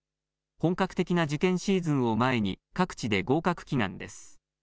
本格的な受験シーズンを前に各地で合格祈願です。